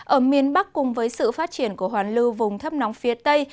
ở miền bắc cùng với sự phát triển của hoàn lưu vùng thấp nóng phía tây